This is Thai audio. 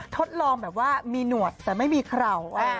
ทดลองแบบว่ามีหนวดแต่ไม่มีเข่า